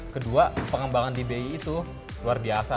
kedua pengembangan di bi itu luar biasa